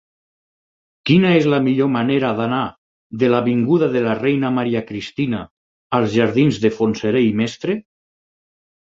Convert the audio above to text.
Quina és la millor manera d'anar de l'avinguda de la Reina Maria Cristina als jardins de Fontserè i Mestre?